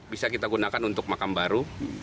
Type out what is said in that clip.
bisa kita gunakan untuk makam baru